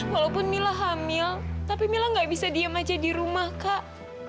walaupun mila hamil tapi mila gak bisa diem aja di rumah kak